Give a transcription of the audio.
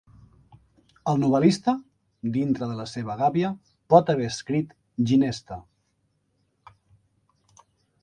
El novel·lista, dintre la seva gàbia, pot haver escrit: "Ginesta".